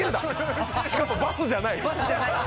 しかもバスじゃない。